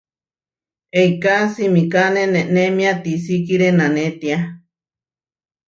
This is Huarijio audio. Eiká simikáne nenémia tisikíre nanétia.